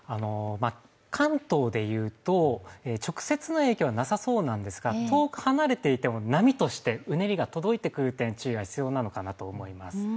関東でいうと、直接の影響はなさそうなんですが、遠く離れていても遠く離れていても波としてうねりが届いてくる点、注意が必要なのかなと思います。